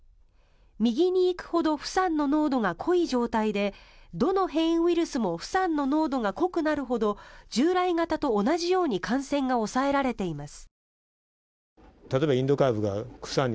右に行くほどフサンの濃度が濃い状態でどの変異ウイルスもフサンの濃度が濃くなるほど従来型と同じように感染が抑えられています。